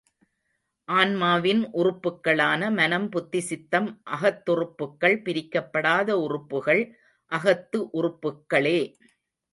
ஆன்மாவின் உறுப்புக்களான மனம், புத்தி, சித்தம், அகத்துறுப்புக்கள், பிரிக்கப்படாத உறுப்புகள் அகத்து உறுப்புக்களே.